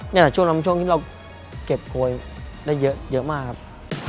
นี้แต่ช่วงนั้นช่วงที่เราเก็บโคยได้เยอะมากครับ